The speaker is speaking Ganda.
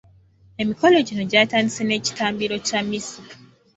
Emikolo gino gyatandise n’ekitambiro ky’emmisa.